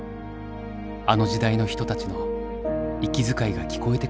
あの時代の人たちの息遣いが聞こえてくるようだ